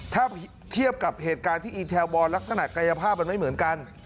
ถ้าเทียบกับเหตุการณ์ที่อีเทลบอลลักษณะกายภาพมันไม่เหมือนกัน